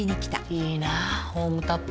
いいなホームタップ。